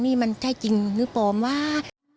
นี่มันใช่จริงหรือปลอมวะ